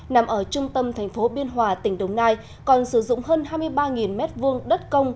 nằm ở trung tâm thành phố biên hòa tỉnh đồng nai còn sử dụng hơn hai mươi ba m hai đất công